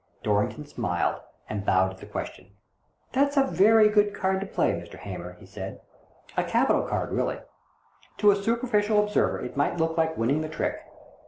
Dorrington smiled and bowed at the question. " That's a very good card to play, Mr. Hamer," he said, " a capital card, really. To a superficial observer it might look like winning the trick.